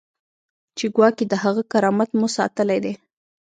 چې ګواکې د هغه کرامت مو ساتلی دی.